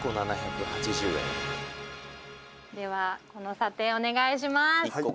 「ではこの査定お願いします」